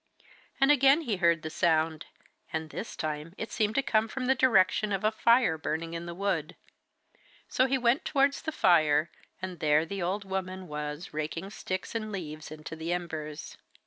And again he heard the sound, and this time it seemed to come from the direction of a fire burning in the wood. So he went towards the fire, and there the old woman was raking sticks and leaves into the embers.